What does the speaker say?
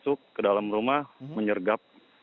sudah bisa masuk ke dalam rumah menyergap